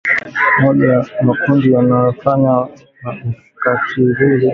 moja ya makundi yanayofanya ukatili mkubwa kati ya zaidi ya makundi mia moja ishirini